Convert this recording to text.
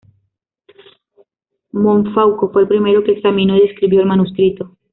Montfaucon fue el primero que examinó y describió el manuscrito.